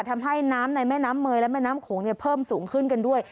ทำให้น้ำในแม่น้ำเมยและแม่น้ำโขงเพิ่มสูงขึ้นกันด้วย